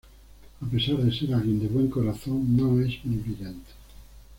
A pesar de ser alguien de buen corazón, no es muy brillante.